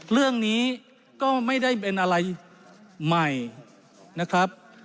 เรื่องนี้ก็ไม่ได้เป็นอะไรใหม่นะครับ